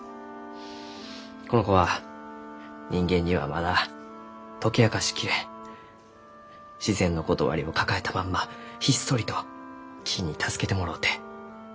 この子は人間にはまだ解き明かし切れん自然のことわりを抱えたまんまひっそりと木に助けてもろうて生きちゅう植物じゃ。